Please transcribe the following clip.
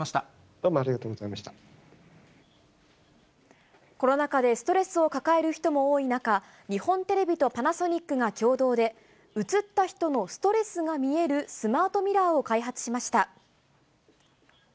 どうもありがとうございましコロナ禍でストレスを抱える人も多い中、日本テレビとパナソニックが共同で、映った人のストレスが見えるスマートミラーを開発しました。